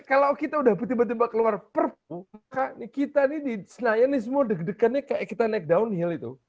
kalau kita udah tiba tiba keluar perpu kita nih di senayan ini semua deg degannya kayak kita naik downhill itu